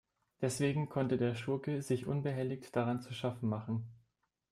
Deswegen konnte der Schurke sich unbehelligt daran zu schaffen machen.